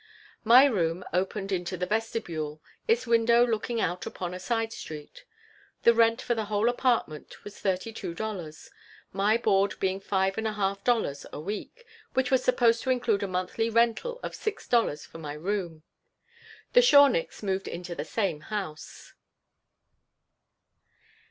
My room opened into the vestibule, its window looking out upon a side street. The rent for the whole apartment was thirty two dollars, my board being five and a half dollars a week, which was supposed to include a monthly rental of six dollars for my room. The Shorniks moved into the same house.